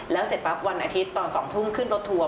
แล้วเสร็จปั๊บวันอาทิตย์ตอน๒ทุ่มขึ้นรถทัวร์